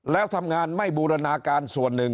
แล้วทำงานไม่บูรณาการส่วนหนึ่ง